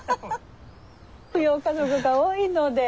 扶養家族が多いので。